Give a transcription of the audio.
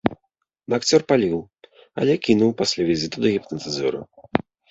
Акцёр паліў, але кінуў пасля візіту да гіпнатызёра.